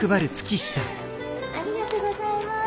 ありがとうございます。